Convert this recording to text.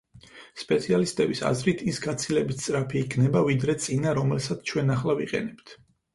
სპეციალისტების აზრით, ის გაცილებით სწრაფი იქნება, ვიდრე წინა, რომელსაც ჩვენ ახლა ვიყენებთ.